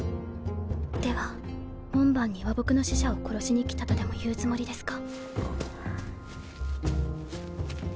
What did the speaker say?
では門番に「和睦の使者を殺しに来た」とでも言うつもりですか？